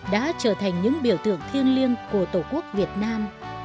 đã trở thành những biểu tượng thiêng liêng của tổ quốc việt nam